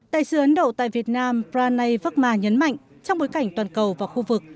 đại sứ ấn độ tại việt nam pranay vakma nhấn mạnh trong bối cảnh toàn cầu và khu vực